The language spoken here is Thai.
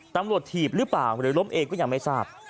ถีบหรือเปล่าหรือล้มเองก็ยังไม่ทราบ